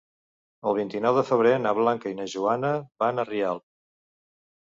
El vint-i-nou de febrer na Blanca i na Joana van a Rialp.